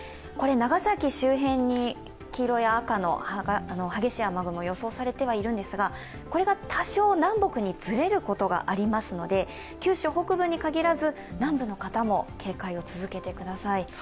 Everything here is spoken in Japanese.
長崎周辺に黄色や赤の激しい雨が予想されていますがこれが多少南北にずれることがありますので、九州北部に限らず南部の方も警戒を続けてください。